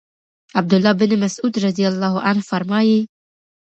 عَبْد الله بن مسعود رضی الله عنه فرمايي: